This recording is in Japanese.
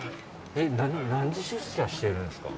何時出社しているんですか？